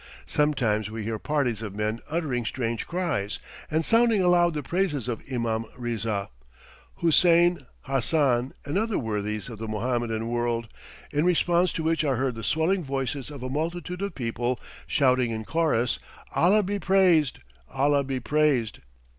Sometimes we hear parties of men uttering strange cries and sounding aloud the praises of Imam Riza, Houssein, Hassan, and other worthies of the Mohammedan world, in response to which are heard the swelling voices of a multitude of people shouting in chorus, "Allah be praised! Allah be praised!!"